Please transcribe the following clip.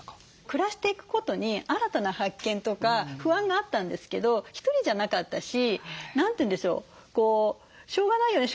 暮らしていくことに新たな発見とか不安があったんですけど一人じゃなかったし何て言うんでしょうしょうがないよね